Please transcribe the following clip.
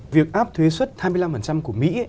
việc áp thuế xuất hai mươi năm của mỹ